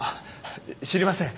知りません。